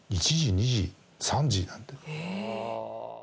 １時、２時、３時って。